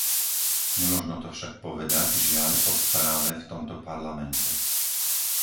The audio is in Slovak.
Nemožno to však povedať, žiaľ, o správe v tomto Parlamente.